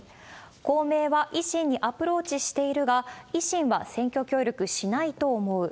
公明は維新にアプローチしているが、維新は選挙協力しないと思う。